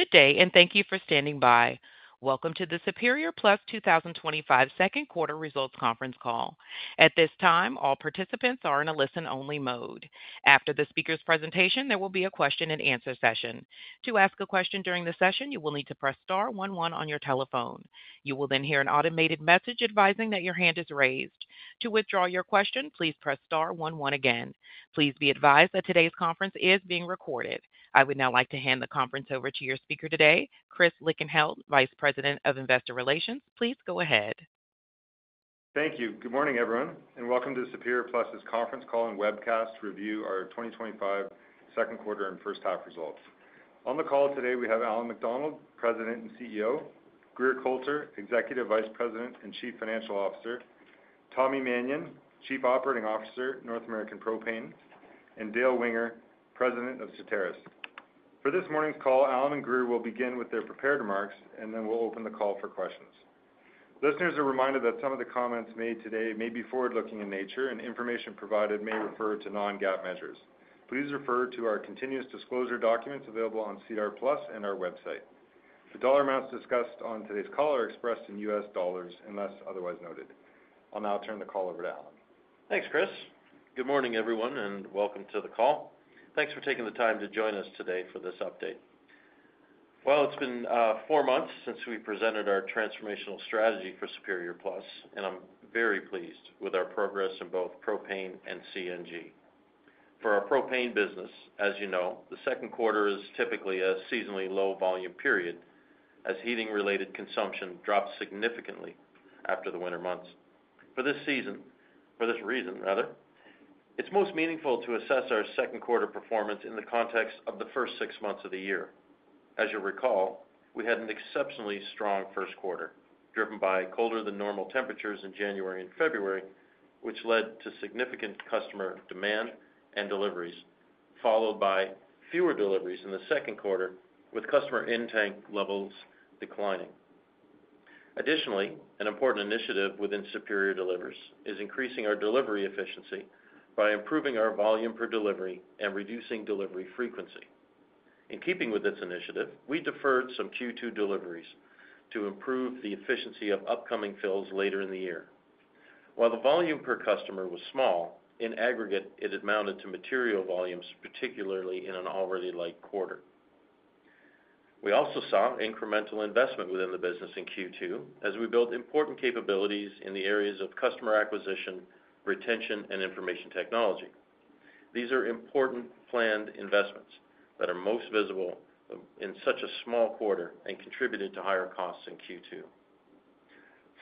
Good day, and thank you for standing by. Welcome to the Superior Plus 2025 Second Quarter Results Conference Call. At this time, all participants are in a listen-only mode. After the speaker's presentation, there will be a question and answer session. To ask a question during the session, you will need to press star one one on your telephone. You will then hear an automated message advising that your hand is raised. To withdraw your question, please press star one one again. Please be advised that today's conference is being recorded. I would now like to hand the conference over to your speaker today, Chris Lichtenheldt, Vice President of Investor Relations. Please go ahead. Thank you. Good morning, everyone, and welcome to Superior Plus's conference call and webcast to review our 2025 second quarter and first half results. On the call today, we have Allan MacDonald, President and CEO; Grier Colter, Executive Vice President and Chief Financial Officer; Tommy Mannion, Chief Operating Officer, North American Propane; and Dale Winger, President of Certarus. For this morning's call, Allan and Grier will begin with their prepared remarks, and then we'll open the call for questions. Listeners, a reminder that some of the comments made today may be forward-looking in nature, and information provided may refer to non-GAAP measures. Please refer to our continuous disclosure documents available on SEDAR+ and our website. The dollar amounts discussed on today's call are expressed in US dollars unless otherwise noted. I'll now turn the call over to Allan. Thanks Chris. Good morning, everyone, and welcome to the call. Thanks for taking the time to join us today for this update. It's been four months since we presented our transformational strategy for Superior Plus, and I'm very pleased with our progress in both propane and CNG. For our propane business, as you know, the second quarter is typically a seasonally low-volume period, as heating-related consumption drops significantly after the winter months. For this reason, it's most meaningful to assess our second quarter performance in the context of the first six months of the year. As you'll recall, we had an exceptionally strong first quarter, driven by colder-than-normal temperatures in January and February, which led to significant customer demand and deliveries, followed by fewer deliveries in the second quarter, with customer in-tank levels declining. Additionally, an important initiative within Superior Delivers is increasing our delivery efficiency by improving our volume per delivery and reducing delivery frequency. In keeping with this initiative, we deferred some Q2 deliveries to improve the efficiency of upcoming fills later in the year. While the volume per customer was small, in aggregate, it had mounted to material volumes, particularly in an already light quarter. We also saw incremental investment within the business in Q2 as we built important capabilities in the areas of customer acquisition, retention, and information technology. These are important planned investments that are most visible in such a small quarter and contributed to higher costs in Q2.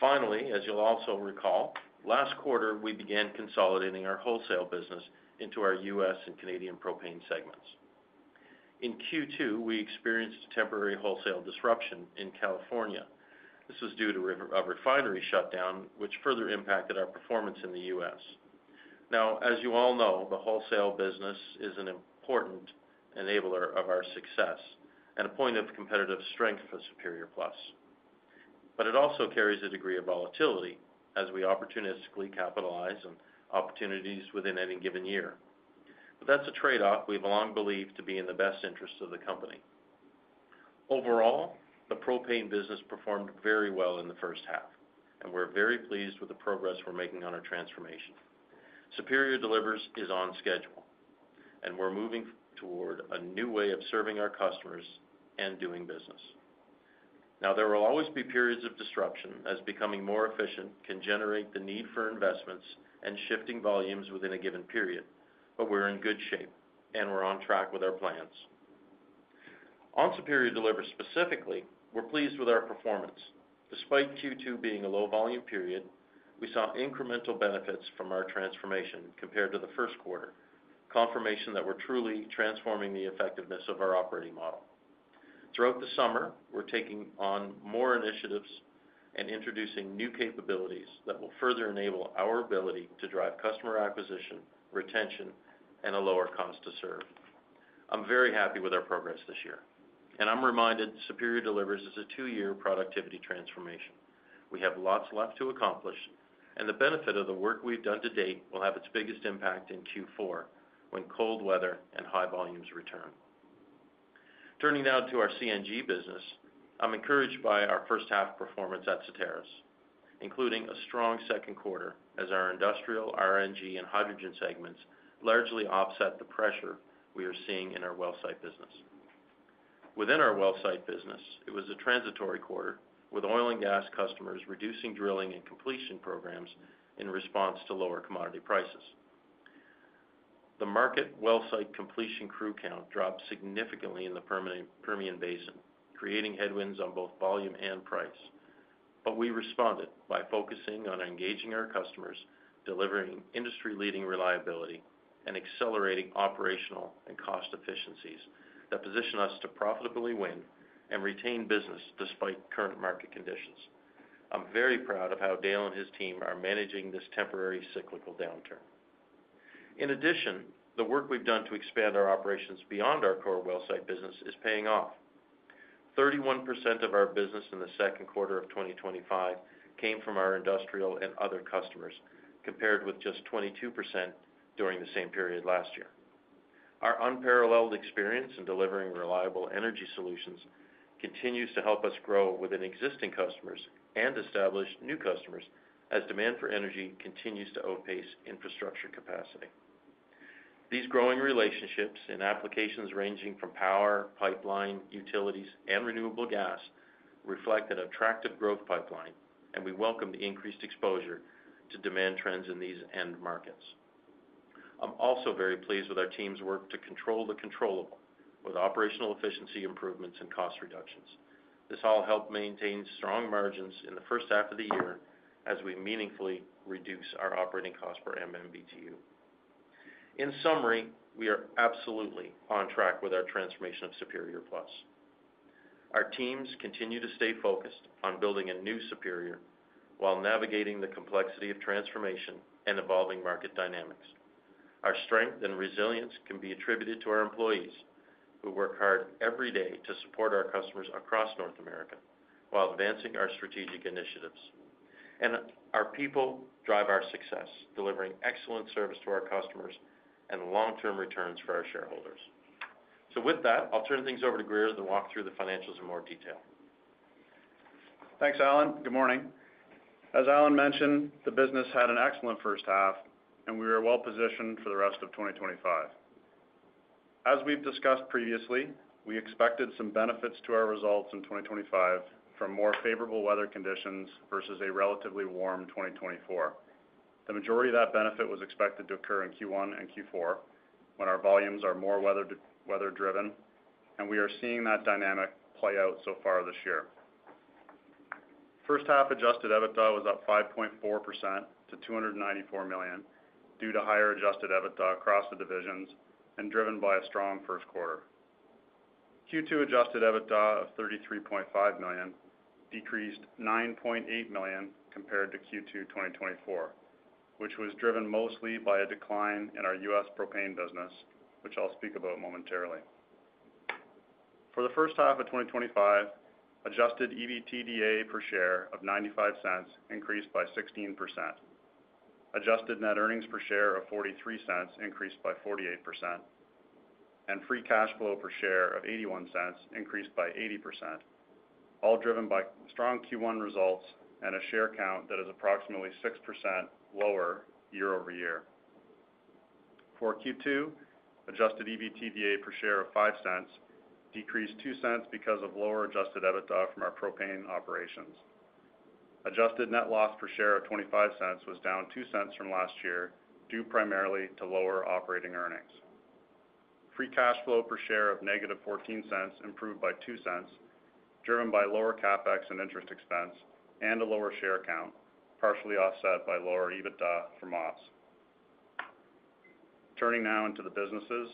Finally, as you'll also recall, last quarter we began consolidating our wholesale business into our U.S. and Canadian propane segments. In Q2, we experienced temporary wholesale disruption in California. This was due to a refinery shutdown, which further impacted our performance in the U.S. As you all know, the wholesale business is an important enabler of our success and a point of competitive strength for Superior Plus. It also carries a degree of volatility as we opportunistically capitalize on opportunities within any given year. That's a trade-off we've long believed to be in the best interest of the company. Overall, the propane business performed very well in the first half, and we're very pleased with the progress we're making on our transformation. Superior Delivers is on schedule, and we're moving toward a new way of serving our customers and doing business. There will always be periods of disruption as becoming more efficient can generate the need for investments and shifting volumes within a given period, but we're in good shape, and we're on track with our plans. On Superior Delivers specifically, we're pleased with our performance. Despite Q2 being a low-volume period, we saw incremental benefits from our transformation compared to the first quarter, confirmation that we're truly transforming the effectiveness of our operating model. Throughout the summer, we're taking on more initiatives and introducing new capabilities that will further enable our ability to drive customer acquisition, retention, and a lower cost to serve. I'm very happy with our progress this year, and I'm reminded Superior Delivers is a two-year productivity transformation. We have lots left to accomplish, and the benefit of the work we've done to date will have its biggest impact in Q4 when cold weather and high volumes return. Turning now to our CNG business, I'm encouraged by our first half performance at Certarus, including a strong second quarter as our industrial, RNG, and hydrogen segments largely offset the pressure we are seeing in our well site business. Within our well site business, it was a transitory quarter with oil and gas customers reducing drilling and completion programs in response to lower commodity prices. The market well site completion crew count dropped significantly in the Permian Basin, creating headwinds on both volume and price. We responded by focusing on engaging our customers, delivering industry-leading reliability, and accelerating operational and cost efficiencies that position us to profitably win and retain business despite current market conditions. I'm very proud of how Dale and his team are managing this temporary cyclical downturn. In addition, the work we've done to expand our operations beyond our core well site business is paying off. 31% of our business in the second quarter of 2025 came from our industrial and other customers, compared with just 22% during the same period last year. Our unparalleled experience in delivering reliable energy solutions continues to help us grow within existing customers and establish new customers as demand for energy continues to outpace infrastructure capacity. These growing relationships in applications ranging from power, pipeline, utilities, and renewable gas reflect an attractive growth pipeline, and we welcome the increased exposure to demand trends in these end markets. I'm also very pleased with our team's work to control the controllable, with operational efficiency improvements and cost reductions. This all helped maintain strong margins in the first half of the year as we meaningfully reduce our operating cost per MMBTU. In summary, we are absolutely on track with our transformation of Superior Plus. Our teams continue to stay focused on building a new Superior while navigating the complexity of transformation and evolving market dynamics. Our strength and resilience can be attributed to our employees who work hard every day to support our customers across North America while advancing our strategic initiatives. Our people drive our success, delivering excellent service to our customers and long-term returns for our shareholders. I'll turn things over to Grier to walk through the financials in more detail. Thanks, Allan. Good morning. As Allan mentioned, the business had an excellent first half, and we were well positioned for the rest of 2025. As we've discussed previously, we expected some benefits to our results in 2025 from more favorable weather conditions versus a relatively warm 2024. The majority of that benefit was expected to occur in Q1 and Q4 when our volumes are more weather-driven, and we are seeing that dynamic play out so far this year. First half adjusted EBITDA was up 5.4% to $294 million due to higher adjusted EBITDA across the divisions and driven by a strong first quarter. Q2 adjusted EBITDA of $33.5 million decreased $9.8 million compared to Q2 2024, which was driven mostly by a decline in our U.S. propane business, which I'll speak about momentarily. For the first half of 2025, adjusted EBITDA per share of $0.95 increased by 16%, adjusted net earnings per share of $0.43 increased by 48%, and free cash flow per share of $0.81 increased by 80%, all driven by strong Q1 results and a share count that is approximately 6% lower year-over-year. For Q2, adjusted EBITDA per share of $0.05 decreased $0.02 because of lower adjusted EBITDA from our propane operations. Adjusted net loss per share of $0.25 was down $0.02 from last year, due primarily to lower operating earnings. Free cash flow per share of -$0.14 improved by $0.02, driven by lower CapEx and interest expense and a lower share count, partially offset by lower EBITDA from ops. Turning now into the businesses,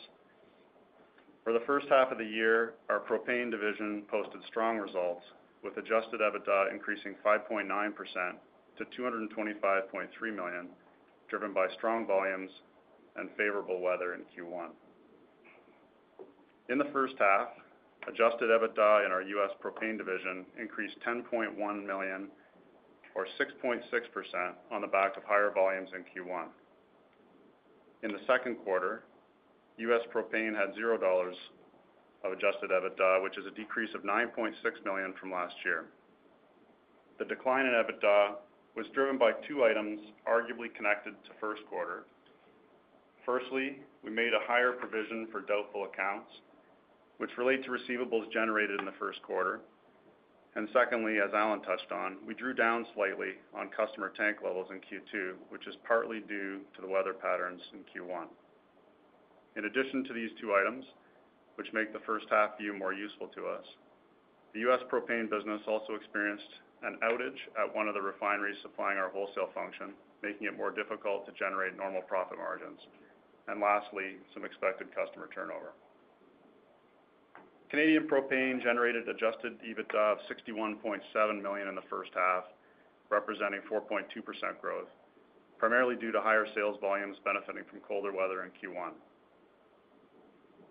for the first half of the year, our propane division posted strong results with adjusted EBITDA increasing 5.9% to $225.3 million, driven by strong volumes and favorable weather in Q1. In the first half, adjusted EBITDA in our U.S. propane division increased $10.1 million or 6.6% on the back of higher volumes in Q1. In the second quarter, U.S. propane had $0 of adjusted EBITDA, which is a decrease of $9.6 million from last year. The decline in EBITDA was driven by two items arguably connected to first quarter. Firstly, we made a higher provision for doubtful accounts, which relate to receivables generated in the first quarter. Secondly, as Allan touched on, we drew down slightly on customer tank levels in Q2, which is partly due to the weather patterns in Q1. In addition to these two items, which make the first half view more useful to us, the U.S. propane business also experienced an outage at one of the refineries supplying our wholesale function, making it more difficult to generate normal profit margins. Lastly, some expected customer turnover. Canadian propane generated adjusted EBITDA of $61.7 million in the first half, representing 4.2% growth, primarily due to higher sales volumes benefiting from colder weather in Q1.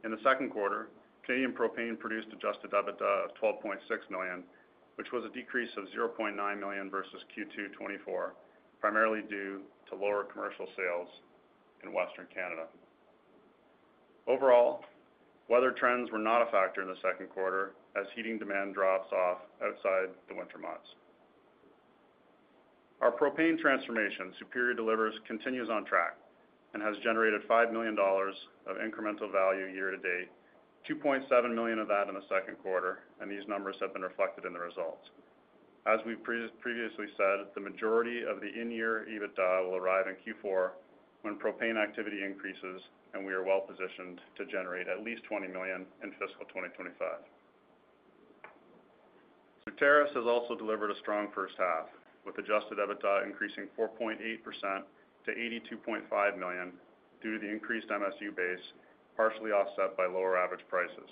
In the second quarter, Canadian propane produced adjusted EBITDA of $12.6 million, which was a decrease of $0.9 million versus Q2 2024, primarily due to lower commercial sales in Western Canada. Overall, weather trends were not a factor in the second quarter as heating demand drops off outside the winter months. Our propane transformation, Superior Delivers, continues on track and has generated $5 million of incremental value year to date, $2.7 million of that in the second quarter, and these numbers have been reflected in the results. As we previously said, the majority of the in-year EBITDA will arrive in Q4 when propane activity increases, and we are well positioned to generate at least $20 million in fiscal 2025. Certarus has also delivered a strong first half, with adjusted EBITDA increasing 4.8% to $82.5 million due to the increased MSU base, partially offset by lower average prices.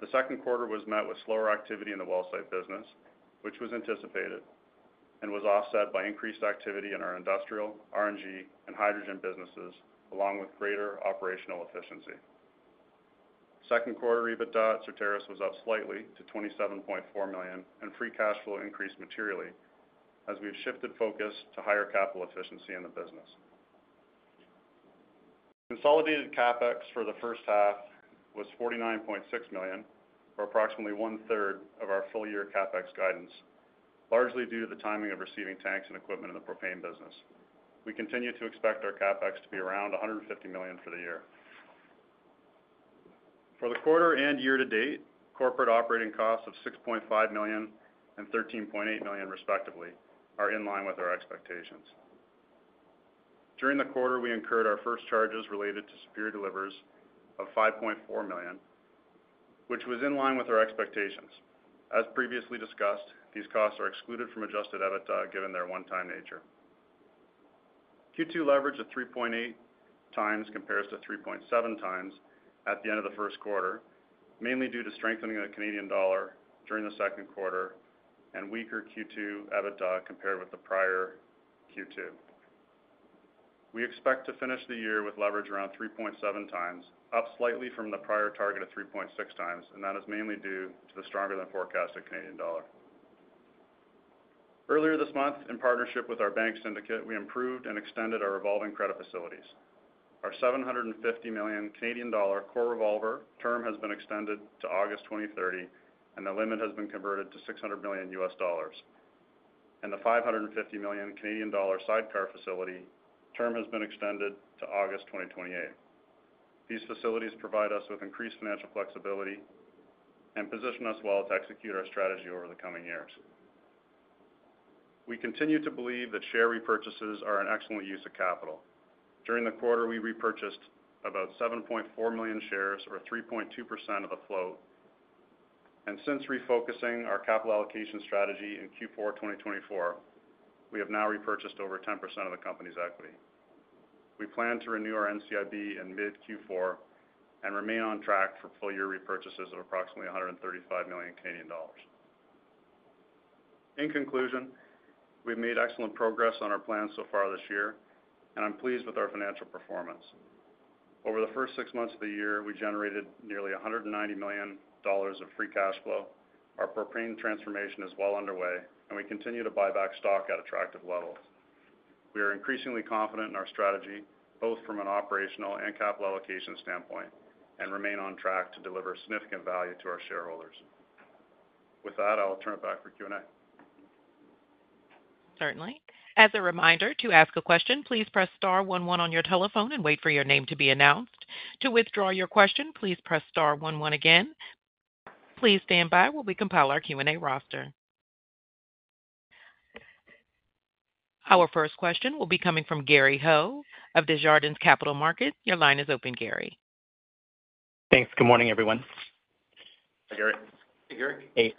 The second quarter was met with slower activity in the well site business, which was anticipated, and was offset by increased activity in our industrial, RNG, and hydrogen businesses, along with greater operational efficiency. Second quarter EBITDA at Certarus was up slightly to $27.4 million, and free cash flow increased materially as we have shifted focus to higher capital efficiency in the business. Consolidated CapEx for the first half was $49.6 million, or approximately one third of our full-year CapEx guidance, largely due to the timing of receiving tanks and equipment in the propane business. We continue to expect our CapEx to be around $150 million for the year. For the quarter and year to date, corporate operating costs of $6.5 million and $13.8 million, respectively, are in line with our expectations. During the quarter, we incurred our first charges related to Superior Delivers of $5.4 million, which was in line with our expectations. As previously discussed, these costs are excluded from adjusted EBITDA given their one-time nature. Q2 leverage of 3.8x compares to 3.7x at the end of the first quarter, mainly due to strengthening of the Canadian dollar during the second quarter and weaker Q2 EBITDA compared with the prior Q2. We expect to finish the year with leverage around 3.7x, up slightly from the prior target of 3.6x, and that is mainly due to the stronger-than-forecasted Canadian dollar. Earlier this month, in partnership with our bank syndicate, we improved and extended our revolving credit facilities. Our 750 million Canadian dollar core revolver term has been extended to August 2030, and the limit has been converted to $600 million. The 550 million Canadian dollar sidecar facility term has been extended to August 2028. These facilities provide us with increased financial flexibility and position us well to execute our strategy over the coming years. We continue to believe that share repurchases are an excellent use of capital. During the quarter, we repurchased about 7.4 million shares, or 3.2% of the float. Since refocusing our capital allocation strategy in Q4 2024, we have now repurchased over 10% of the company's equity. We plan to renew our NCIB in mid-Q4 and remain on track for full-year repurchases of approximately 135 million Canadian dollars. In conclusion, we've made excellent progress on our plans so far this year, and I'm pleased with our financial performance. Over the first six months of the year, we generated nearly $190 million of free cash flow. Our propane transformation is well underway, and we continue to buy back stock at attractive levels. We are increasingly confident in our strategy, both from an operational and capital allocation standpoint, and remain on track to deliver significant value to our shareholders. With that, I'll turn it back for Q&A. Certainly. As a reminder, to ask a question, please press star one one on your telephone and wait for your name to be announced. To withdraw your question, please press star one one again. Please stand by while we compile our Q&A roster. Our first question will be coming from Gary Ho of Desjardins Capital Markets. Your line is open, Gary. Thanks. Good morning, everyone. Hi, Gary. Hey, Gary. Hey,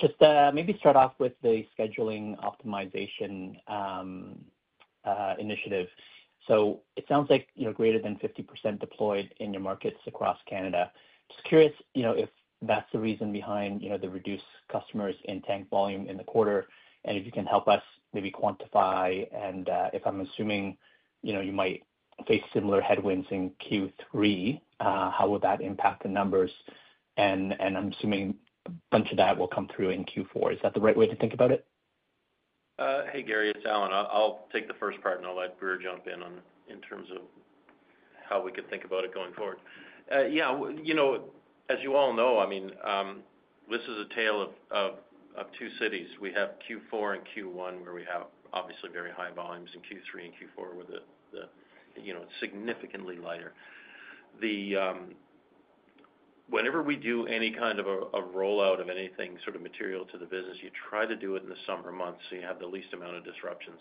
just maybe start off with the scheduling optimization initiative. It sounds like, you know, greater than 50% deployed in your markets across Canada. Just curious if that's the reason behind, you know, the reduced customers in tank volume in the quarter, and if you can help us maybe quantify, and if I'm assuming, you know, you might face similar headwinds in Q3, how would that impact the numbers? I'm assuming a bunch of that will come through in Q4. Is that the right way to think about it? Hey, Gary, it's Allan. I'll take the first part, and I'll let Grier jump in on how we could think about it going forward. As you all know, this is a tale of two cities. We have Q4 and Q1 where we have obviously very high volumes, and Q3 and Q4 were significantly lighter. Whenever we do any kind of a rollout of anything material to the business, you try to do it in the summer months so you have the least amount of disruption.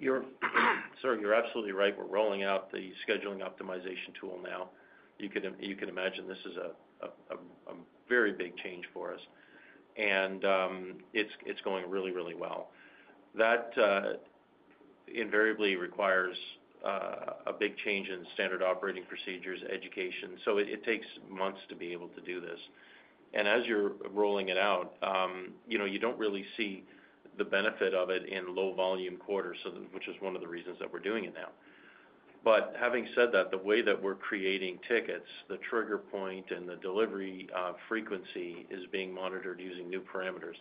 You're absolutely right. We're rolling out the scheduling optimization tool now. You could imagine this is a very big change for us, and it's going really, really well. That invariably requires a big change in standard operating procedures and education. It takes months to be able to do this. As you're rolling it out, you don't really see the benefit of it in low-volume quarters, which is one of the reasons that we're doing it now. Having said that, the way that we're creating tickets, the trigger point, and the delivery frequency is being monitored using new parameters.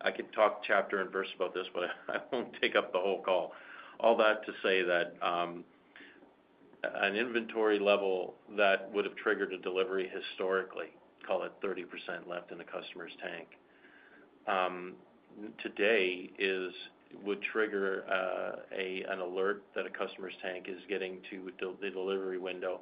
I could talk chapter and verse about this, but I won't take up the whole call. All that to say that an inventory level that would have triggered a delivery historically, call it 30% left in the customer's tank, today would trigger an alert that a customer's tank is getting to the delivery window.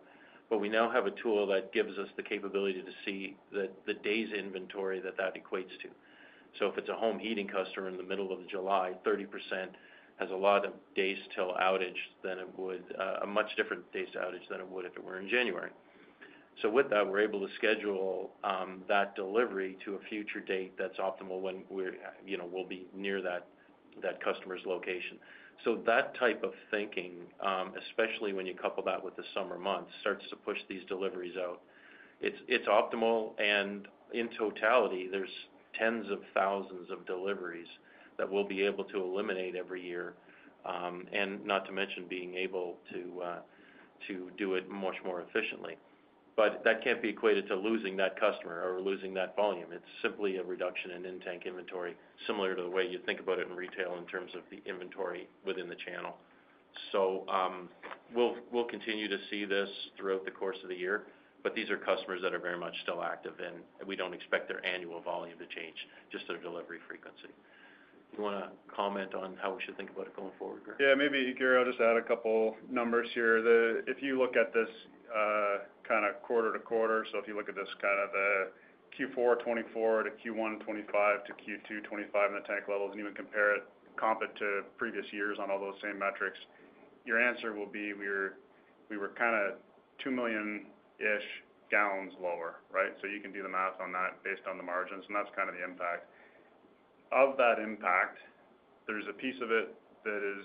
We now have a tool that gives us the capability to see the day's inventory that equates to. If it's a home heating customer in the middle of July, 30% has a lot of days till outage than it would, a much different days to outage than it would if it were in January. With that, we're able to schedule that delivery to a future date that's optimal when we're near that customer's location. That type of thinking, especially when you couple that with the summer months, starts to push these deliveries out. It's optimal, and in totality, there's tens of thousands of deliveries that we'll be able to eliminate every year, not to mention being able to do it much more efficiently. That can't be equated to losing that customer or losing that volume. It's simply a reduction in in-tank inventory, similar to the way you'd think about it in retail in terms of the inventory within the channel. We'll continue to see this throughout the course of the year, but these are customers that are very much still active, and we don't expect their annual volume to change, just their delivery frequency. You want to comment on how we should think about it going forward, Grier? Yeah, maybe Gary, I'll just add a couple numbers here. If you look at this quarter to quarter, so if you look at this, the Q4 2024 to Q1 2025 to Q2 2025 in the tank levels, and even compare it, comp it to previous years on all those same metrics, your answer will be we were kind of two million-ish gal lower, right? You can do the math on that based on the margins, and that's kind of the impact. Of that impact, there's a piece of it that is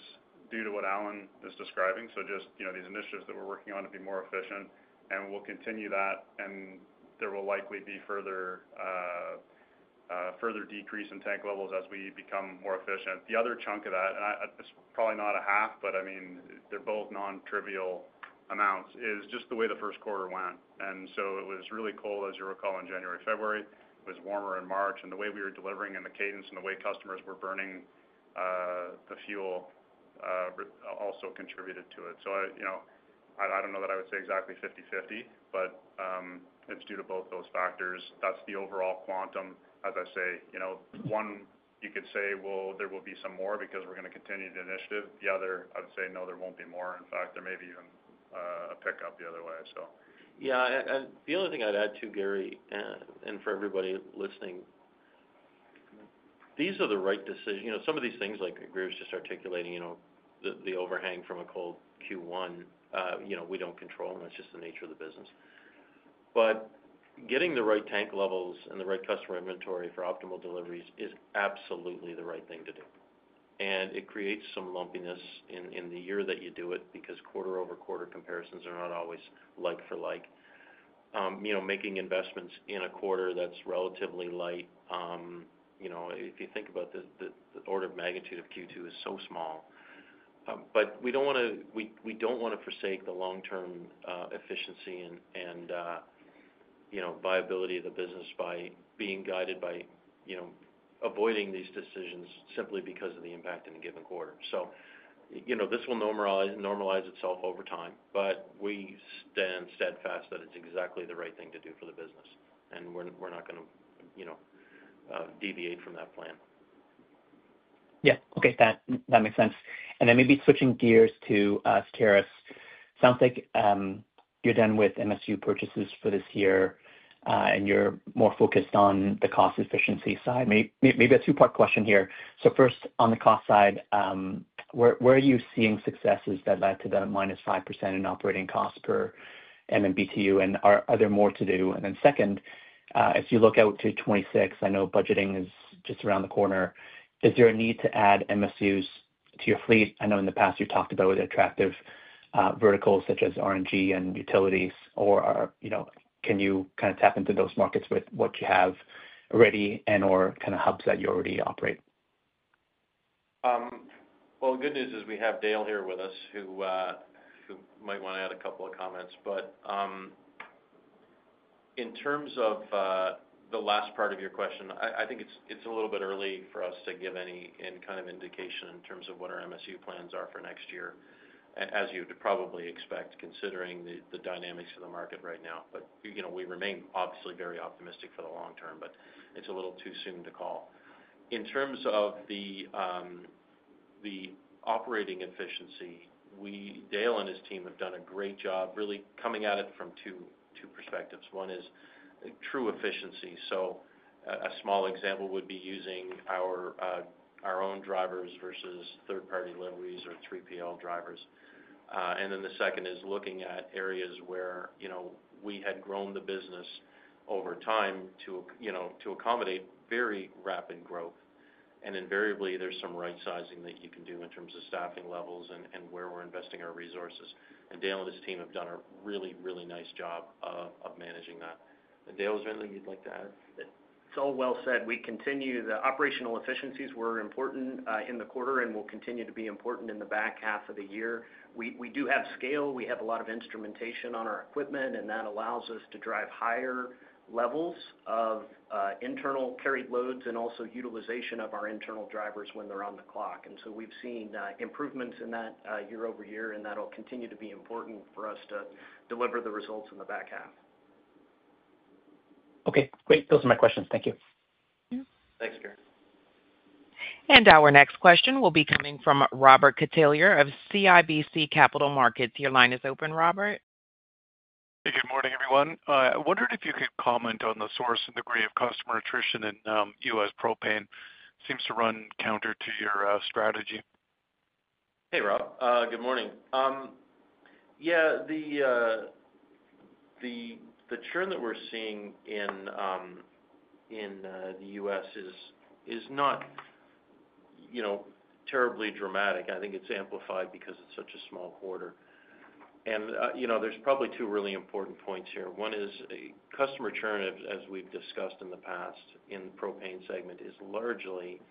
due to what Allan is describing. These initiatives that we're working on to be more efficient, and we'll continue that, and there will likely be further decrease in tank levels as we become more efficient. The other chunk of that, and it's probably not a half, but I mean, they're both non-trivial amounts, is just the way the first quarter went. It was really cold, as you recall, in January and February. It was warmer in March, and the way we were delivering and the cadence and the way customers were burning the fuel also contributed to it. I don't know that I would say exactly 50/50, but it's due to both those factors. That's the overall quantum. As I say, one, you could say, there will be some more because we're going to continue the initiative. The other, I would say, no, there won't be more. In fact, there may be even a pickup the other way. Yeah, the only thing I'd add to, Gary, and for everybody listening, these are the right decisions. Some of these things, like Grier was just articulating, the overhang from a cold Q1, we don't control, and that's just the nature of the business. Getting the right tank levels and the right customer inventory for optimal deliveries is absolutely the right thing to do. It creates some lumpiness in the year that you do it because quarter over quarter comparisons are not always like for like. Making investments in a quarter that's relatively light, if you think about the order of magnitude of Q2, is so small. We don't want to forsake the long-term efficiency and viability of the business by being guided by avoiding these decisions simply because of the impact in a given quarter. This will normalize itself over time, but we stand steadfast that it's exactly the right thing to do for the business. We're not going to deviate from that plan. Yeah. Okay. That makes sense. Maybe switching gears to Certarus, sounds like you're done with MSU purchases for this year, and you're more focused on the cost efficiency side. Maybe a two-part question here. First, on the cost side, where are you seeing successes that led to the -5% in operating cost per MMBTU, and are there more to do? Second, as you look out to 2026, I know budgeting is just around the corner. Is there a need to add MSUs to your fleet? I know in the past you talked about other attractive verticals such as RNG and utilities, or can you kind of tap into those markets with what you have already and/or kind of hubs that you already operate? The good news is we have Dale here with us who might want to add a couple of comments. In terms of the last part of your question, I think it's a little bit early for us to give any kind of indication in terms of what our MSU plans are for next year, as you'd probably expect, considering the dynamics of the market right now. You know, we remain obviously very optimistic for the long term, but it's a little too soon to call. In terms of the operating efficiency, Dale and his team have done a great job really coming at it from two perspectives. One is true efficiency. A small example would be using our own drivers versus third-party levees or 3PL drivers. The second is looking at areas where we had grown the business over time to accommodate very rapid growth. Invariably, there's some right sizing that you can do in terms of staffing levels and where we're investing our resources. Dale and his team have done a really, really nice job of managing that. Dale, is there anything you'd like to add? We continue the operational efficiencies were important in the quarter and will continue to be important in the back half of the year. We do have scale. We have a lot of instrumentation on our equipment, and that allows us to drive higher levels of internal carried loads and also utilization of our internal drivers when they're on the clock. We've seen improvements in that year over year, and that'll continue to be important for us to deliver the results in the back half. Okay. Great. Those are my questions. Thank you. Thanks, Gary. Our next question will be coming from Robert Catellier of CIBC Capital Markets. Your line is open, Robert. Hey, good morning, everyone. I wondered if you could comment on the source and degree of customer attrition in U.S. propane. Seems to run counter to your strategy. Hey, Rob. Good morning. Yeah, the churn that we're seeing in the U.S. is not, you know, terribly dramatic. I think it's amplified because it's such a small quarter. There are probably two really important points here. One is customer churn, as we've discussed in the past in the propane segment, is largely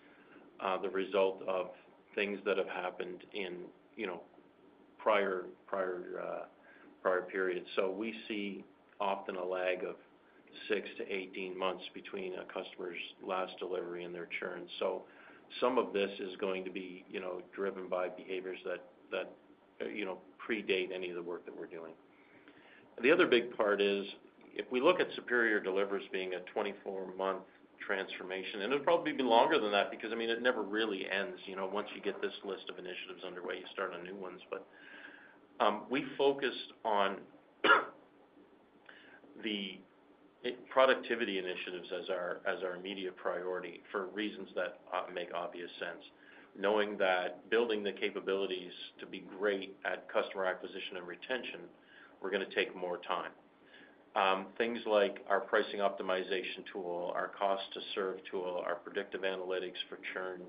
the result of things that have happened in prior periods. We see often a lag of six to 18 months between a customer's last delivery and their churn. Some of this is going to be driven by behaviors that predate any of the work that we're doing. The other big part is if we look at Superior Delivers being a 24-month transformation, and it'll probably be longer than that because it never really ends. Once you get this list of initiatives underway, you start on new ones. We focused on the productivity initiatives as our immediate priority for reasons that make obvious sense, knowing that building the capabilities to be great at customer acquisition and retention were going to take more time. Things like our pricing optimization tool, our cost-to-serve tool, our predictive analytics for churn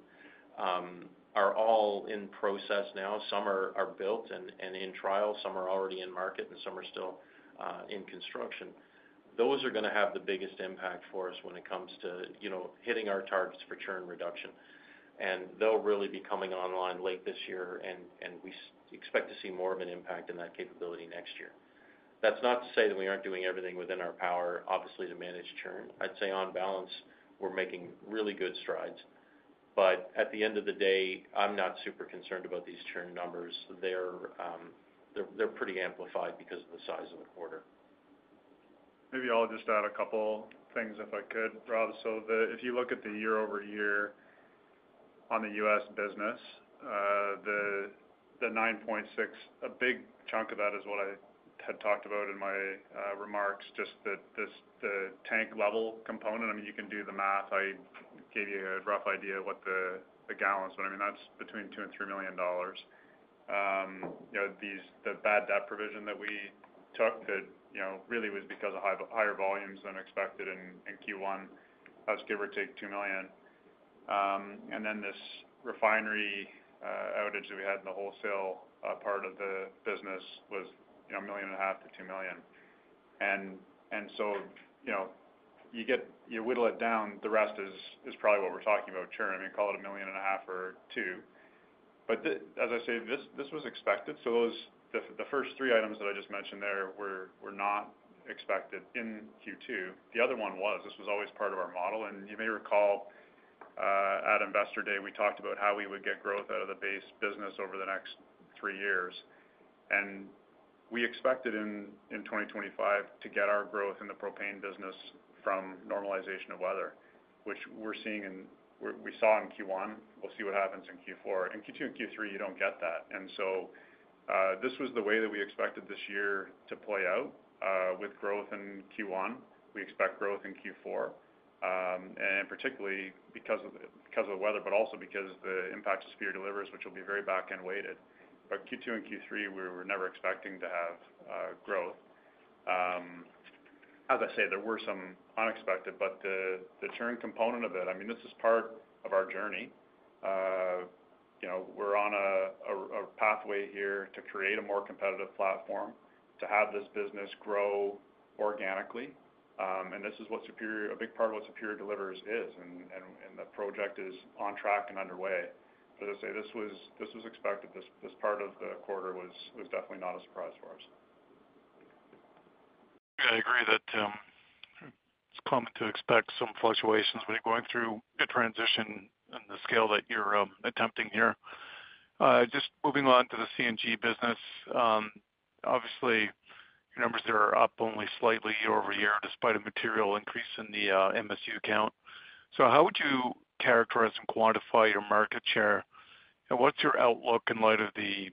are all in process now. Some are built and in trial, some are already in market, and some are still in construction. Those are going to have the biggest impact for us when it comes to hitting our targets for churn reduction. They'll really be coming online late this year, and we expect to see more of an impact in that capability next year. That's not to say that we aren't doing everything within our power, obviously, to manage churn. I'd say on balance, we're making really good strides. At the end of the day, I'm not super concerned about these churn numbers. They're pretty amplified because of the size of the quarter. Maybe I'll just add a couple things if I could, Rob. If you look at the year-over-year on the U.S. business, the $9.6 million, a big chunk of that is what I had talked about in my remarks, just that this tank level component, I mean, you can do the math. I gave you a rough idea of what the gallons, but I mean, that's between $2 million and $3 million. The bad debt provision that we took that really was because of higher volumes than expected in Q1, that's give or take $2 million. This refinery outage that we had in the wholesale part of the business was $1.5 million to $2 million. You whittle it down, the rest is probably what we're talking about, churn. Call it $1.5 million or $2 million. As I say, this was expected. The first three items that I just mentioned there were not expected in Q2. The other one was always part of our model. You may recall, at Investor Day, we talked about how we would get growth out of the base business over the next three years. We expected in 2025 to get our growth in the propane business from normalization of weather, which we're seeing in, we saw in Q1. We'll see what happens in Q4. In Q2 and Q3, you don't get that. This was the way that we expected this year to play out, with growth in Q1. We expect growth in Q4, particularly because of the weather, but also because of the impact of Superior Delivers, which will be very back-end weighted. Q2 and Q3, we were never expecting to have growth. As I say, there were some unexpected, but the churn component of it, this is part of our journey. We're on a pathway here to create a more competitive platform, to have this business grow organically. This is what Superior, a big part of what Superior Delivers is, and the project is on track and underway. As I say, this was expected. This part of the quarter was definitely not a surprise for us. Yeah, I agree that it's common to expect some fluctuations when you're going through a transition in the scale that you're attempting here. Just moving on to the CNG business, obviously, your numbers there are up only slightly year-over-year despite a material increase in the MSU count. How would you characterize and quantify your market share, and what's your outlook in light of the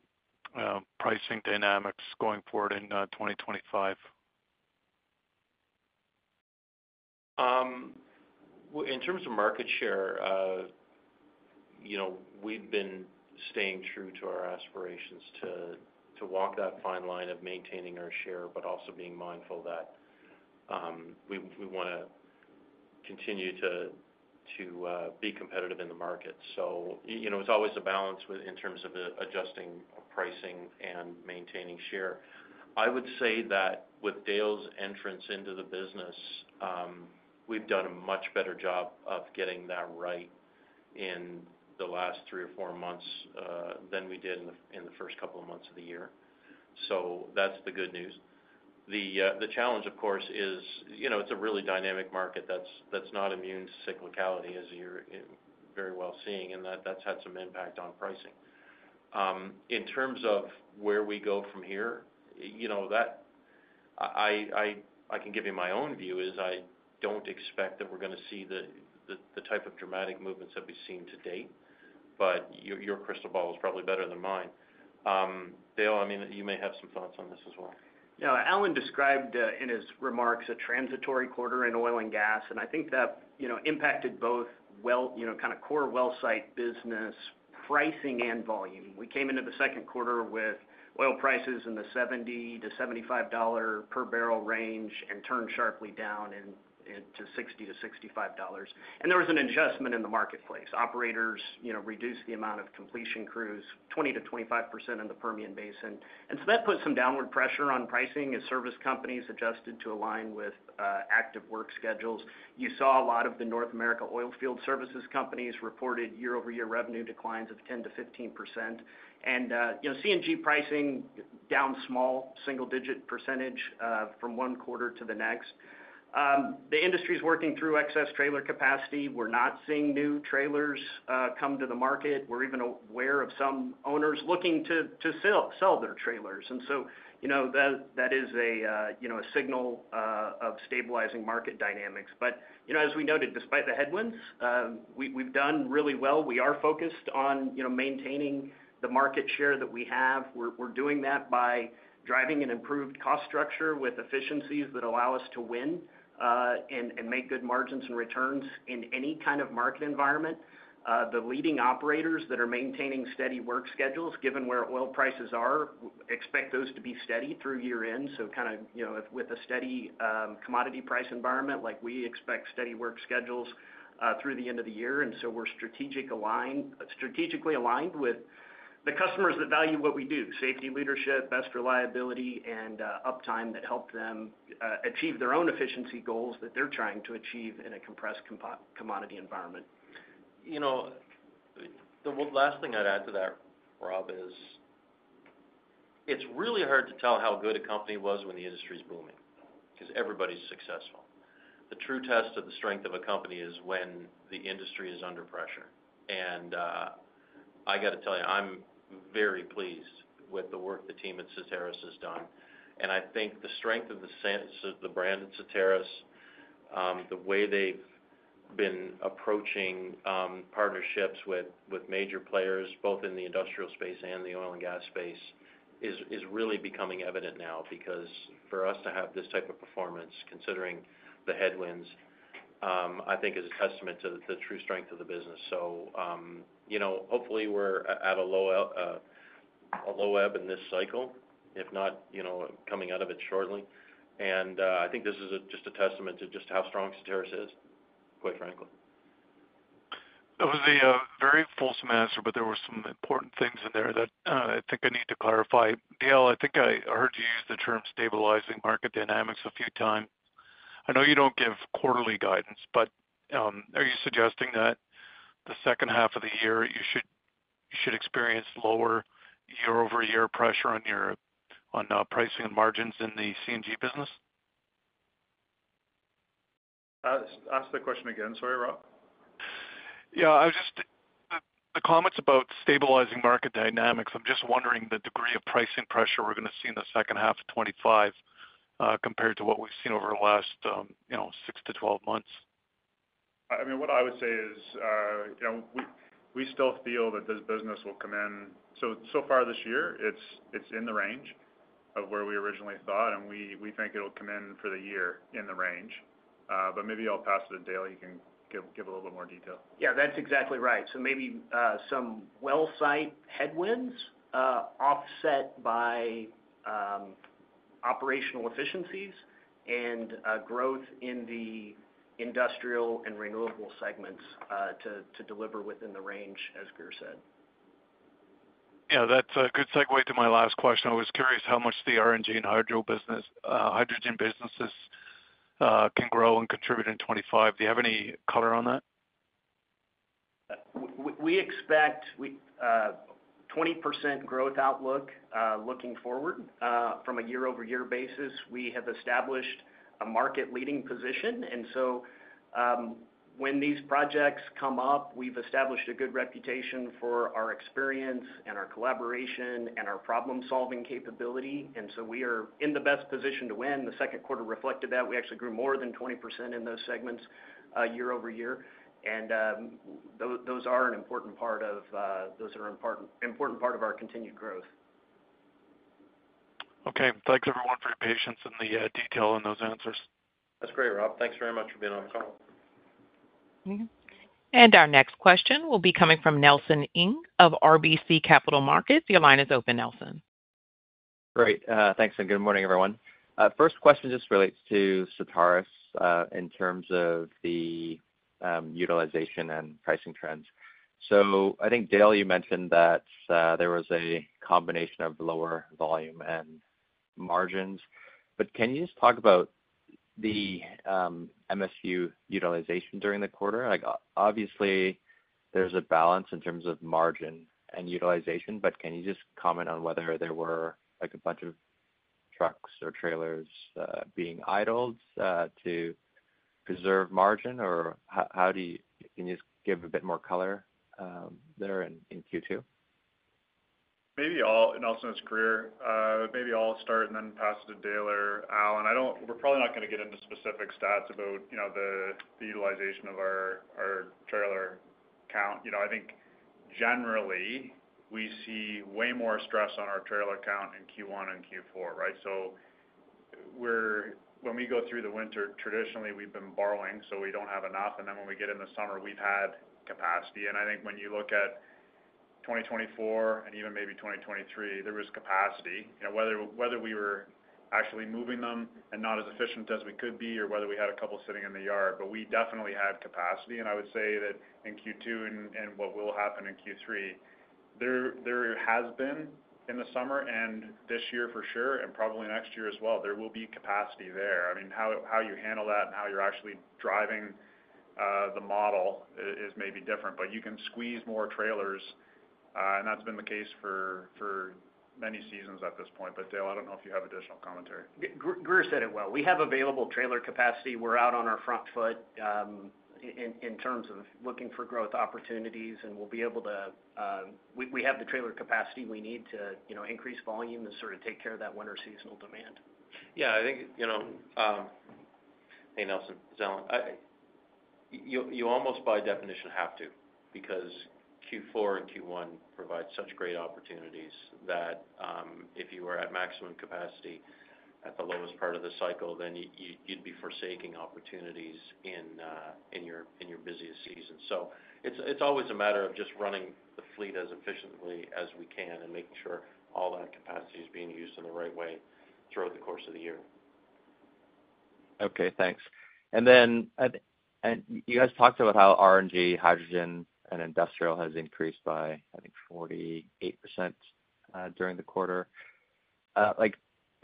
pricing dynamics going forward in 2025? In terms of market share, we've been staying true to our aspirations to walk that fine line of maintaining our share, but also being mindful that we want to continue to be competitive in the market. It's always a balance in terms of adjusting pricing and maintaining share. I would say that with Dale's entrance into the business, we've done a much better job of getting that right in the last three or four months than we did in the first couple of months of the year. That's the good news. The challenge, of course, is it's a really dynamic market that's not immune to cyclicality, as you're very well seeing, and that has had some impact on pricing. In terms of where we go from here, I can give you my own view. I don't expect that we're going to see the type of dramatic movements that we've seen to date, but your crystal ball is probably better than mine. Dale, you may have some thoughts on this as well. No, Allan described in his remarks a transitory quarter in oil and gas, and I think that impacted both, you know, kind of core well site business pricing and volume. We came into the second quarter with oil prices in the $70-$75 per barrel range and turned sharply down into $60-$65. There was an adjustment in the marketplace. Operators reduced the amount of completion crews, 20%-25% in the Permian Basin. That put some downward pressure on pricing as service companies adjusted to align with active work schedules. You saw a lot of the North America oil field services companies reported year-over-year revenue declines of 10%-15%. CNG pricing was down a small single-digit percentage from one quarter to the next. The industry is working through excess trailer capacity. We're not seeing new trailers come to the market. We're even aware of some owners looking to sell their trailers. That is a signal of stabilizing market dynamics. As we noted, despite the headwinds, we've done really well. We are focused on maintaining the market share that we have. We're doing that by driving an improved cost structure with efficiencies that allow us to win and make good margins and returns in any kind of market environment. The leading operators that are maintaining steady work schedules, given where oil prices are, expect those to be steady through year-end. With a steady commodity price environment, we expect steady work schedules through the end of the year. We're strategically aligned with the customers that value what we do: safety leadership, best reliability, and uptime that help them achieve their own efficiency goals that they're trying to achieve in a compressed commodity environment. You know, the last thing I'd add to that, Rob, is it's really hard to tell how good a company was when the industry's booming because everybody's successful. The true test of the strength of a company is when the industry is under pressure. I got to tell you, I'm very pleased with the work the team at Certarus has done. I think the strength of the brand at Certarus, the way they've been approaching partnerships with major players, both in the industrial space and the oil and gas space, is really becoming evident now because for us to have this type of performance, considering the headwinds, I think is a testament to the true strength of the business. Hopefully we're at a low ebb in this cycle, if not coming out of it shortly. I think this is just a testament to just how strong Certarus is, quite frankly. That was a very fulsome answer, but there were some important things in there that I think I need to clarify. Dale, I think I heard you use the term stabilizing market dynamics a few times. I know you don't give quarterly guidance, but are you suggesting that the second half of the year you should experience lower year-over-year pressure on your pricing and margins in the CNG business? Ask the question again. Sorry, Rob. The comments about stabilizing market dynamics, I'm just wondering the degree of pricing pressure we're going to see in the second half of 2025 compared to what we've seen over the last 6 to 12 months. What I would say is, you know, we still feel that this business will come in. So far this year, it's in the range of where we originally thought, and we think it'll come in for the year in the range. Maybe I'll pass it to Dale. You can give a little bit more detail. Yeah, that's exactly right. Maybe some well site headwinds are offset by operational efficiencies and growth in the industrial and renewable segments to deliver within the range, as Grier said. Yeah, that's a good segue to my last question. I was curious how much the RNG and hydrogen businesses can grow and contribute in 2025. Do you have any color on that? We expect a 20% growth outlook looking forward from a year-over-year basis. We have established a market-leading position. When these projects come up, we've established a good reputation for our experience, our collaboration, and our problem-solving capability. We are in the best position to win. The second quarter reflected that. We actually grew more than 20% in those segments year-over-year, and those are an important part of our continued growth. Okay. Thanks, everyone, for your patience and the detail in those answers. That's great, Rob. Thanks very much for being on the call. Our next question will be coming from Nelson Ng of RBC Capital Markets. Your line is open, Nelson. Great. Thanks, and good morning, everyone. First question just relates to Certarus in terms of the utilization and pricing trends. I think, Dale, you mentioned that there was a combination of lower volume and margins. Can you just talk about the MSU utilization during the quarter? Obviously, there's a balance in terms of margin and utilization, but can you just comment on whether there were like a bunch of trucks or trailers being idled to preserve margin, or can you just give a bit more color there in Q2? Maybe I'll start and then pass it to Dale or Allan. We're probably not going to get into specific stats about the utilization of our trailer count. I think generally we see way more stress on our trailer count in Q1 and Q4, right? When we go through the winter, traditionally, we've been borrowing, so we don't have enough. When we get in the summer, we've had capacity. I think when you look at 2024 and even maybe 2023, there was capacity, whether we were actually moving them and not as efficient as we could be, or whether we had a couple sitting in the yard. We definitely had capacity. I would say that in Q2 and what will happen in Q3, there has been in the summer and this year for sure, and probably next year as well, there will be capacity there. How you handle that and how you're actually driving the model is maybe different, but you can squeeze more trailers. That's been the case for many seasons at this point. Dale, I don't know if you have additional commentary. Grier said it well. We have available trailer capacity. We're out on our front foot in terms of looking for growth opportunities, and we'll be able to, we have the trailer capacity we need to increase volume to sort of take care of that winter seasonal demand. I think, you know, Nelson. It's Allan you almost by definition have to because Q4 and Q1 provide such great opportunities that if you were at maximum capacity at the lowest part of the cycle, then you'd be forsaking opportunities in your busiest season. It's always a matter of just running the fleet as efficiently as we can and making sure all that capacity is being used in the right way throughout the course of the year. Okay, thanks. You guys talked about how RNG, hydrogen, and industrial has increased by, I think, 48% during the quarter.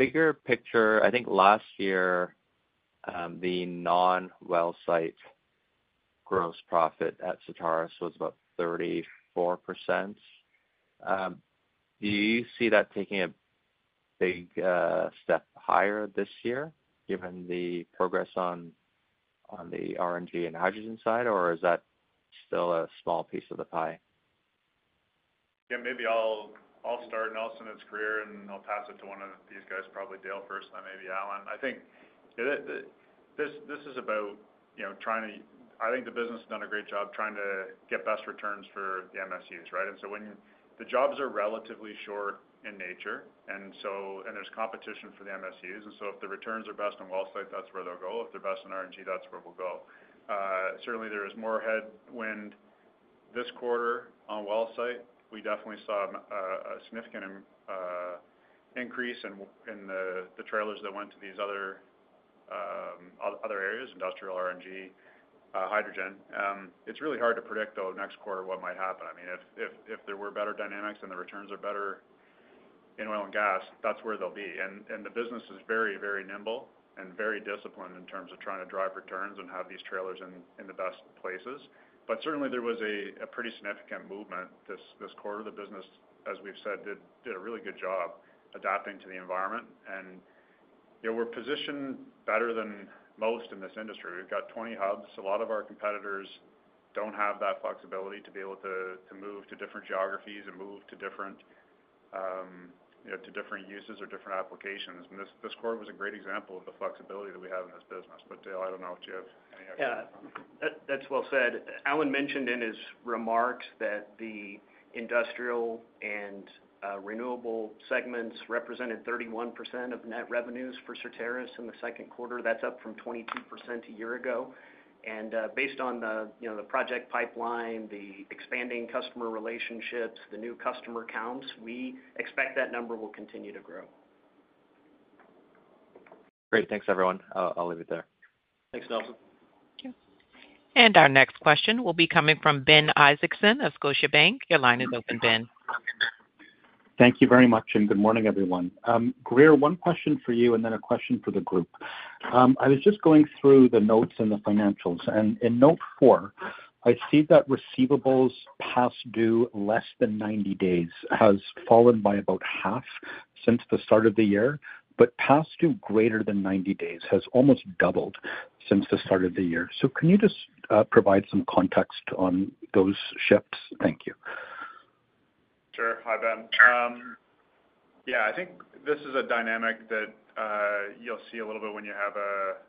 Bigger picture, I think last year, the non-well site gross profit at Certarus was about 34%. Do you see that taking a big step higher this year given the progress on the RNG and hydrogen side, or is that still a small piece of the pie? Yeah, maybe I'll start, Nelson, it's Grier and I'll pass it to one of these guys, probably Dale first, and then maybe Allan. I think this is about trying to, I think the business has done a great job trying to get best returns for the MSUs, right? When the jobs are relatively short in nature, and there's competition for the MSUs, if the returns are best on well site, that's where they'll go. If they're best on RNG, that's where we'll go. Certainly, there is more headwind this quarter on well site. We definitely saw a significant increase in the trailers that went to these other areas: industrial, RNG, hydrogen. It's really hard to predict, though, next quarter what might happen. I mean, if there were better dynamics and the returns are better in oil and gas, that's where they'll be. The business is very, very nimble and very disciplined in terms of trying to drive returns and have these trailers in the best places. Certainly, there was a pretty significant movement this quarter. The business, as we've said, did a really good job adapting to the environment. We're positioned better than most in this industry. We've got 20 hubs. A lot of our competitors don't have that flexibility to be able to move to different geographies and move to different uses or different applications. This quarter was a great example of the flexibility that we have in this business. Dale, I don't know if you have any extra comments. Yeah, that's well said. Allan mentioned in his remarks that the industrial and renewable segments represented 31% of net revenues for Certarus in the second quarter. That's up from 22% a year ago. Based on the project pipeline, the expanding customer relationships, the new customer counts, we expect that number will continue to grow. Great. Thanks, everyone. I'll leave it there. Thanks, Nelson. Our next question will be coming from Ben Isaacson of Scotiabank. Your line is open, Ben. Thank you very much, and good morning, everyone. Grier, one question for you, and then a question for the group. I was just going through the notes and the financials, and in note four, I see that receivables past due less than 90 days has fallen by about half since the start of the year, but past due greater than 90 days has almost doubled since the start of the year. Can you just provide some context on those shifts? Thank you. Sure. Hi, Ben. Yeah, I think this is a dynamic that you'll see a little bit when you have a,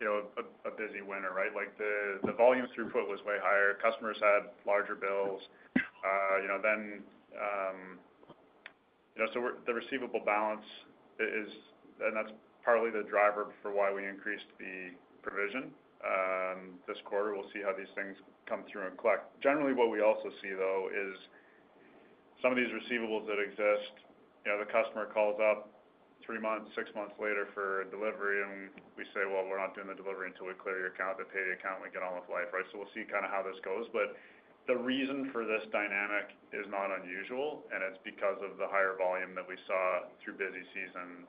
you know, a busy winter, right? The volume throughput was way higher. Customers had larger bills. You know, the receivable balance is, and that's partly the driver for why we increased the provision this quarter. We'll see how these things come through and collect. Generally, what we also see, though, is some of these receivables that exist, you know, the customer calls up three months, six months later for a delivery, and we say we're not doing the delivery until we clear the account, they pay the account, and we get on with life, right? We'll see kind of how this goes. The reason for this dynamic is not unusual, and it's because of the higher volume that we saw through busy season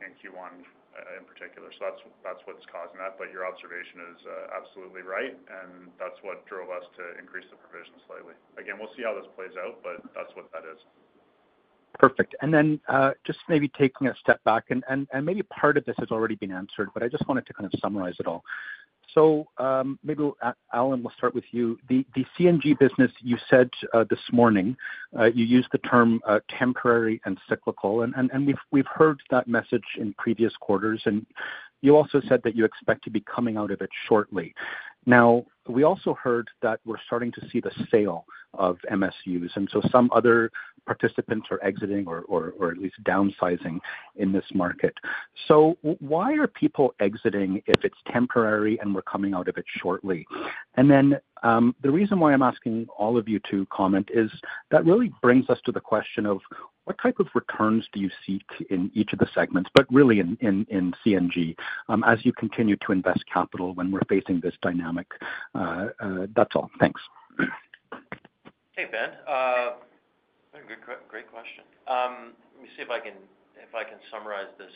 in Q1 in particular. That's what's causing that. Your observation is absolutely right, and that's what drove us to increase the provision slightly. Again, we'll see how this plays out, but that's what that is. Perfect. Maybe taking a step back, and maybe part of this has already been answered, I just wanted to kind of summarize it all. Maybe Allan, we'll start with you. The CNG business, you said this morning, you used the term temporary and cyclical, and we've heard that message in previous quarters. You also said that you expect to be coming out of it shortly. We also heard that we're starting to see the sale of MSUs, and some other participants are exiting or at least downsizing in this market. Why are people exiting if it's temporary and we're coming out of it shortly? The reason why I'm asking all of you to comment is that really brings us to the question of what type of returns do you seek in each of the segments, but really in CNG as you continue to invest capital when we're facing this dynamic. That's all. Thanks. Hey, Ben. Great question. Let me see if I can summarize this.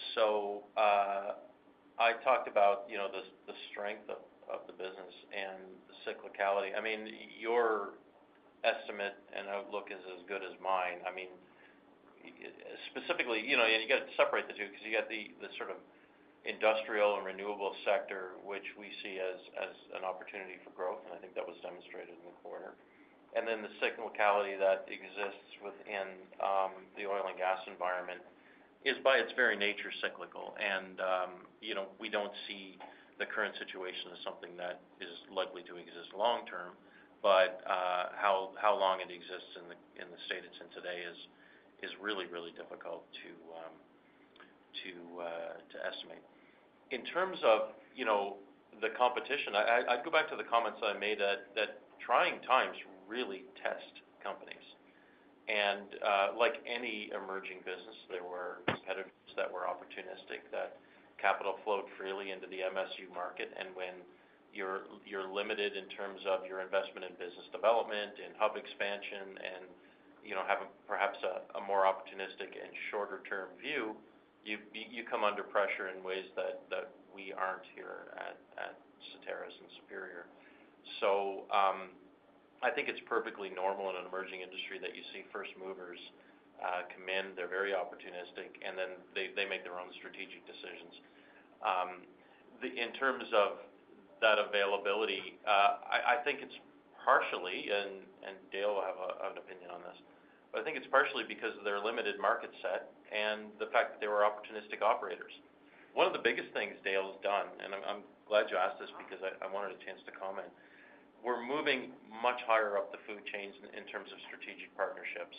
I talked about the strength of the business and the cyclicality. Your estimate and outlook is as good as mine. Specifically, you have to separate the two because you have the sort of industrial and renewable sector, which we see as an opportunity for growth, and I think that was demonstrated in the quarter. The cyclicality that exists within the oil and gas environment is by its very nature cyclical. We do not see the current situation as something that is likely to exist long term, but how long it exists in the state it is in today is really, really difficult to estimate. In terms of the competition, I would go back to the comments that I made that trying times really test companies. Like any emerging business, there were competitors that were opportunistic, that capital flowed freely into the MSU market. When you are limited in terms of your investment in business development, in hub expansion, and you do not have perhaps a more opportunistic and shorter-term view, you come under pressure in ways that we are not here at Certarus and Superior. I think it is perfectly normal in an emerging industry that you see first movers come in, they are very opportunistic, and then they make their own strategic decisions. In terms of that availability, I think it is partially, and Dale will have an opinion on this, but I think it is partially because of their limited market set and the fact that they were opportunistic operators. One of the biggest things Dale has done, and I am glad you asked this because I wanted a chance to comment, we are moving much higher up the food chain in terms of strategic partnerships.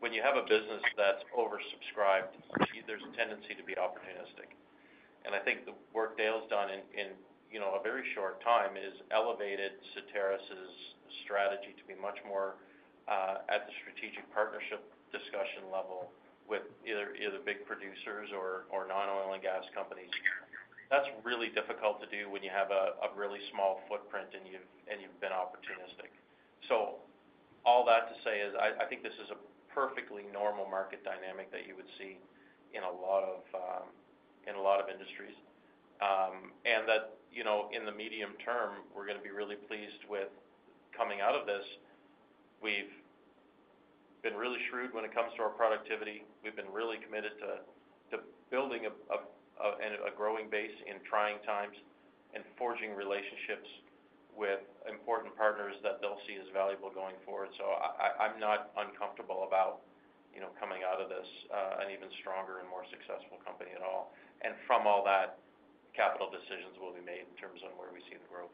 When you have a business that is oversubscribed, there is a tendency to be opportunistic. I think the work Dale has done in a very short time has elevated Soteris' strategy to be much more at the strategic partnership discussion level with either big producers or non-oil and gas companies. That is really difficult to do when you have a really small footprint and you have been opportunistic. All that to say is I think this is a perfectly normal market dynamic that you would see in a lot of industries. In the medium term, we are going to be really pleased with coming out of this. We have been really shrewd when it comes to our productivity. We have been really committed to building a growing base in trying times and forging relationships with important partners that they will see as valuable going forward. I am not uncomfortable about coming out of this an even stronger and more successful company at all. From all that, capital decisions will be made in terms of where we see the growth.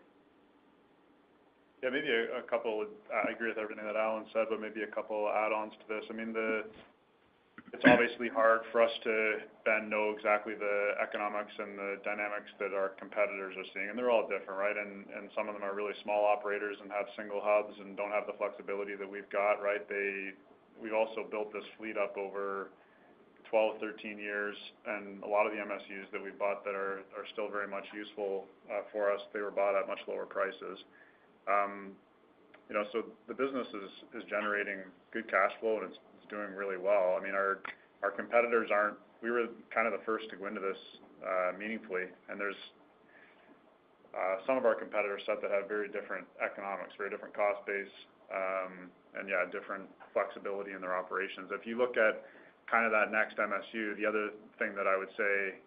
Yeah, maybe a couple, I agree with everything that Allan said, but maybe a couple add-ons to this. I mean, it's obviously hard for us to then know exactly the economics and the dynamics that our competitors are seeing. They're all different, right? Some of them are really small operators and have single hubs and don't have the flexibility that we've got, right? We've also built this fleet up over 12, 13 years, and a lot of the MSUs that we've bought that are still very much useful for us, they were bought at much lower prices. The business is generating good cash flow, and it's doing really well. Our competitors aren't, we were kind of the first to go into this meaningfully, and there's some of our competitors that had very different economics, very different cost base, and different flexibility in their operations. If you look at kind of that next MSU, the other thing that I would say,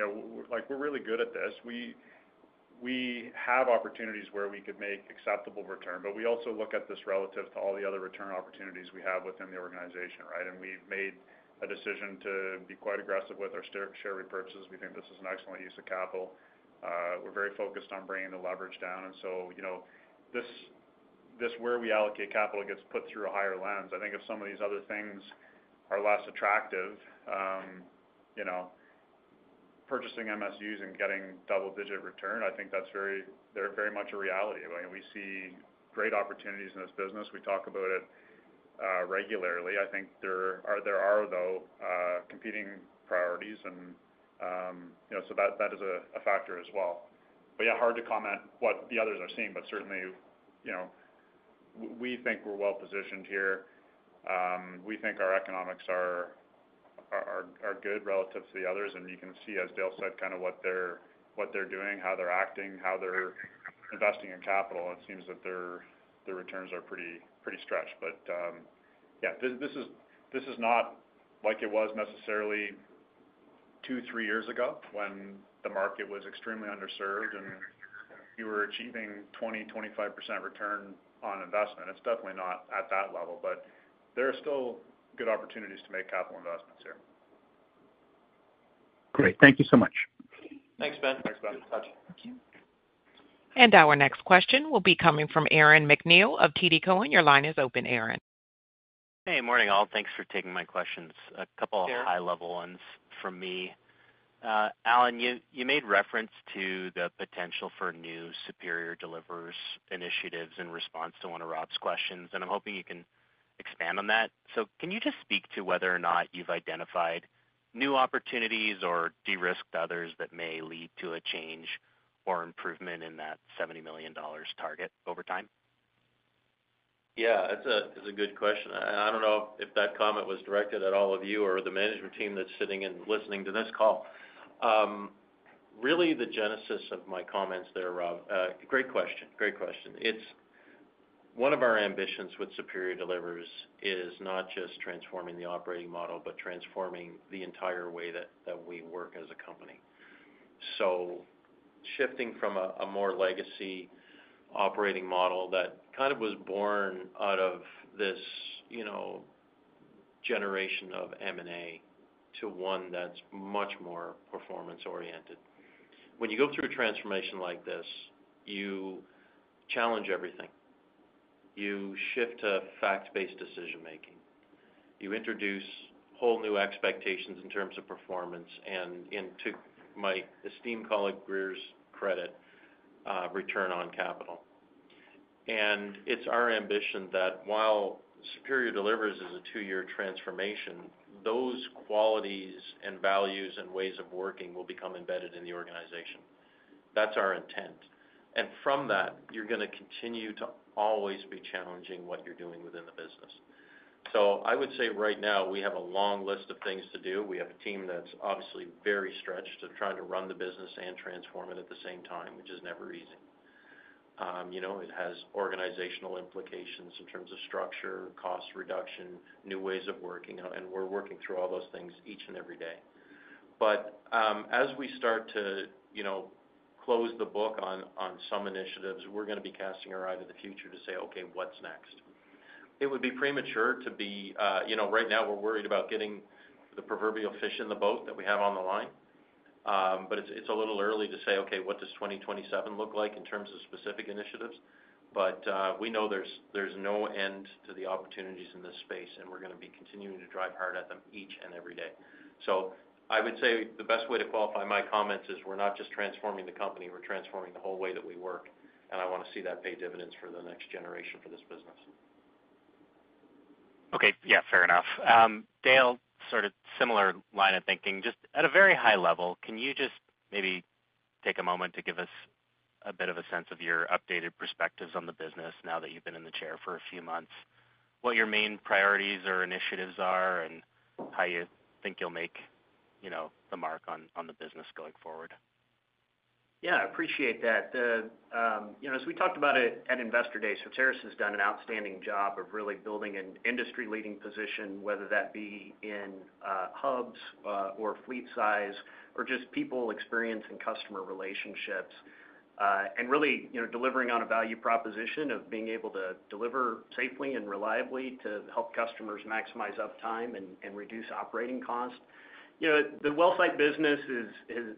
we're really good at this. We have opportunities where we could make acceptable return, but we also look at this relative to all the other return opportunities we have within the organization, right? We've made a decision to be quite aggressive with our share repurchases. We think this is an excellent use of capital. We're very focused on bringing the leverage down. Where we allocate capital gets put through a higher lens. I think if some of these other things are less attractive, purchasing MSUs and getting double-digit return, I think that's very, they're very much a reality. We see great opportunities in this business. We talk about it regularly. I think there are, though, competing priorities. That is a factor as well. Hard to comment what the others are seeing, but certainly, we think we're well positioned here. We think our economics are good relative to the others. You can see, as Dale said, kind of what they're doing, how they're acting, how they're investing in capital. It seems that their returns are pretty stretched. This is not like it was necessarily two, three years ago when the market was extremely underserved and you were achieving 20%, 25% return on investment. It's definitely not at that level, but there are still good opportunities to make capital investments here. Great. Thank you so much. Thanks, Ben. Thanks, Ben. Our next question will be coming from Aaron McNeill of TD Cowen. Your line is open, Aaron. Hey, morning all. Thanks for taking my questions. A couple of high-level ones from me. Allan, you made reference to the potential for new Superior Delivers initiatives in response to one of Rob's questions, and I'm hoping you can expand on that. Can you just speak to whether or not you've identified new opportunities or de-risked others that may lead to a change or improvement in that $70 million target over time? Yeah, it's a good question. I don't know if that comment was directed at all of you or the management team that's sitting and listening to this call. Really, the genesis of my comments there, Rob, great question. It's one of our ambitions with Superior Delivers is not just transforming the operating model, but transforming the entire way that we work as a company. Shifting from a more legacy operating model that kind of was born out of this generation of M&A to one that's much more performance-oriented. When you go through a transformation like this, you challenge everything. You shift to fact-based decision-making. You introduce whole new expectations in terms of performance and, to my esteemed colleague Grier's credit, return on capital. It's our ambition that while Superior Delivers is a two-year transformation, those qualities and values and ways of working will become embedded in the organization. That's our intent. From that, you're going to continue to always be challenging what you're doing within the business. I would say right now we have a long list of things to do. We have a team that's obviously very stretched to try to run the business and transform it at the same time, which is never easy. It has organizational implications in terms of structure, cost reduction, new ways of working, and we're working through all those things each and every day. As we start to close the book on some initiatives, we're going to be casting our eye to the future to say, okay, what's next? It would be premature to be, right now we're worried about getting the proverbial fish in the boat that we have on the line. It's a little early to say, okay, what does 2027 look like in terms of specific initiatives? We know there's no end to the opportunities in this space, and we're going to be continuing to drive hard at them each and every day. I would say the best way to qualify my comments is we're not just transforming the company, we're transforming the whole way that we work. I want to see that pay dividends for the next generation for this business. Okay, yeah, fair enough. Dale, sort of similar line of thinking, at a very high level, can you just maybe take a moment to give us a bit of a sense of your updated perspectives on the business now that you've been in the chair for a few months, what your main priorities or initiatives are, and how you think you'll make the mark on the business going forward? Yeah, I appreciate that. As we talked about it at Investor Day, Soteris has done an outstanding job of really building an industry-leading position, whether that be in hubs or fleet size, or just people experience and customer relationships, and really delivering on a value proposition of being able to deliver safely and reliably to help customers maximize uptime and reduce operating costs. The well site business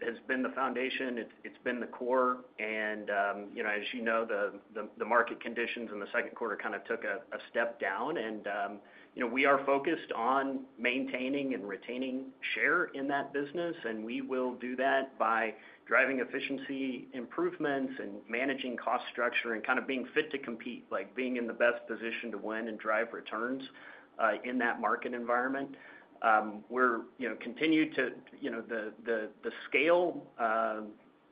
has been the foundation. It's been the core. As you know, the market conditions in the second quarter kind of took a step down. We are focused on maintaining and retaining share in that business. We will do that by driving efficiency improvements and managing cost structure and being fit to compete, like being in the best position to win and drive returns in that market environment. We continue to scale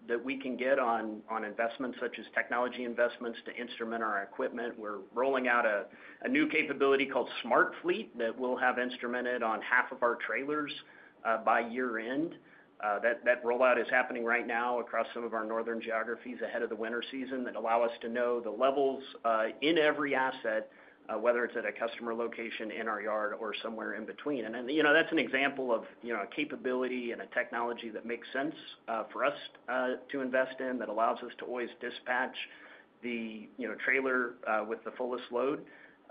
that we can get on investments such as technology investments to instrument our equipment. We're rolling out a new capability called Smart Fleet that we'll have instrumented on half of our trailers by year-end. That rollout is happening right now across some of our northern geographies ahead of the winter season that allow us to know the levels in every asset, whether it's at a customer location, in our yard, or somewhere in between. That's an example of a capability and a technology that makes sense for us to invest in that allows us to always dispatch the trailer with the fullest load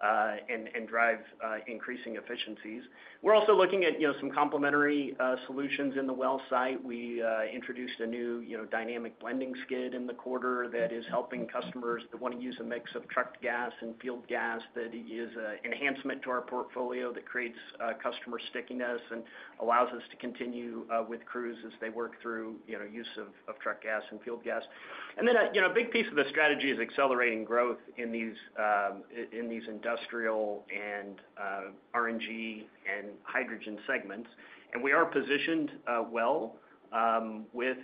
and drive increasing efficiencies. We're also looking at some complementary solutions in the well site. We introduced a new dynamic blending skid in the quarter that is helping customers that want to use a mix of truck gas and field gas. That is an enhancement to our portfolio that creates customer stickiness and allows us to continue with crews as they work through use of truck gas and field gas. A big piece of the strategy is accelerating growth in these industrial and RNG and hydrogen segments. We are positioned well with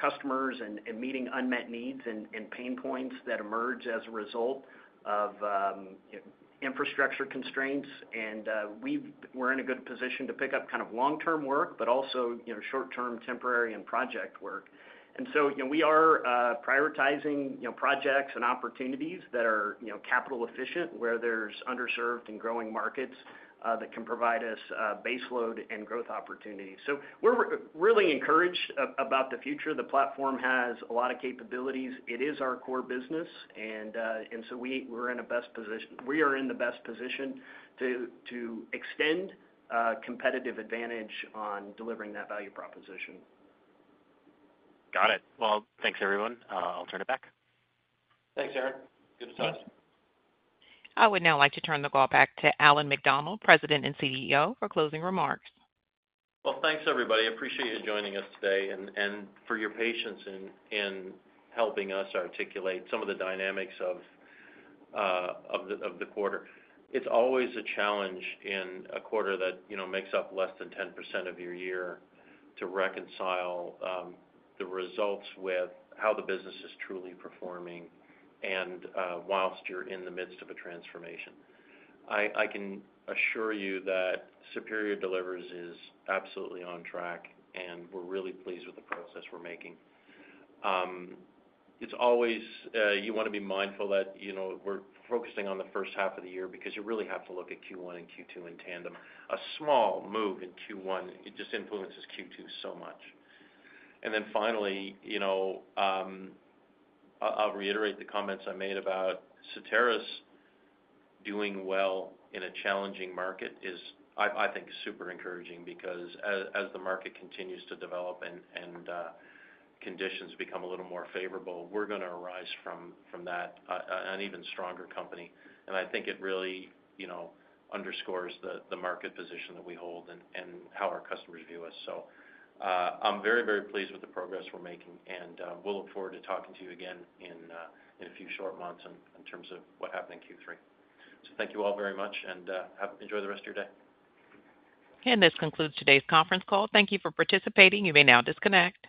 customers and meeting unmet needs and pain points that emerge as a result of infrastructure constraints. We're in a good position to pick up kind of long-term work, but also short-term temporary and project work. We are prioritizing projects and opportunities that are capital efficient where there's underserved and growing markets that can provide us baseload and growth opportunities. We're really encouraged about the future. The platform has a lot of capabilities. It is our core business. We're in the best position to extend a competitive advantage on delivering that value proposition. Got it. Thanks, everyone. I'll turn it back. Thanks, Aaron. Good to talk to us. I would now like to turn the call back to Allan MacDonald, President and CEO, for closing remarks. Thank you, everybody. I appreciate you joining us today and for your patience in helping us articulate some of the dynamics of the quarter. It's always a challenge in a quarter that makes up less than 10% of your year to reconcile the results with how the business is truly performing whilst you're in the midst of a transformation. I can assure you that Superior Delivers is absolutely on track, and we're really pleased with the progress we're making. You want to be mindful that we're focusing on the first half of the year because you really have to look at Q1 and Q2 in tandem. A small move in Q1 just influences Q2 so much. I'll reiterate the comments I made about Soteris doing well in a challenging market, which is, I think, super encouraging because as the market continues to develop and conditions become a little more favorable, we're going to arise from that an even stronger company. I think it really underscores the market position that we hold and how our customers view us. I'm very, very pleased with the progress we're making, and we'll look forward to talking to you again in a few short months in terms of what happened in Q3. Thank you all very much, and enjoy the rest of your day. This concludes today's conference call. Thank you for participating. You may now disconnect.